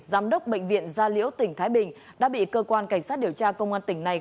giám đốc bệnh viện gia liễu tỉnh thái bình đã bị cơ quan cảnh sát điều tra công an tỉnh này